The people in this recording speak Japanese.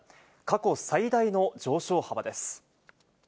過去最大の上昇幅です。